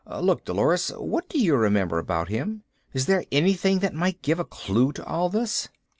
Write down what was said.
Look, Dolores. What do you remember about him? Is there anything that might give a clue to all this?"